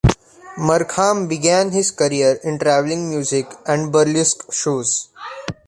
Markham began his career in traveling music and burlesque shows.